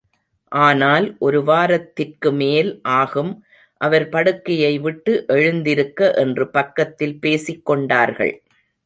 ஆனால் ஒரு வாரத்திற்கு மேல் ஆகும் அவர் படுக்கையை விட்டு எழுந்திருக்க என்று பக்கத்தில் பேசிக்கொண்டார்கள்.